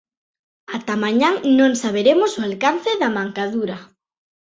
Ata mañá non saberemos o alcance da mancadura.